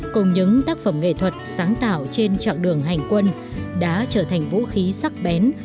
cùng những tác phẩm nghệ thuật sáng tạo trên chặng đường hành quân đã trở thành vũ khí sắc bén